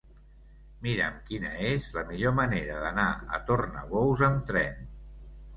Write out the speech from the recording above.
Mira'm quina és la millor manera d'anar a Tornabous amb tren.